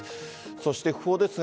そして訃報ですが